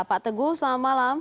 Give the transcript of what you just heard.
pak teguh selamat malam